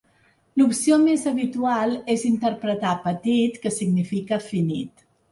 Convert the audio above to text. L'opció més habitual és interpretar "petit" que significa "finit".